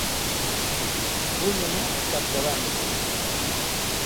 Vull anar a Campdevànol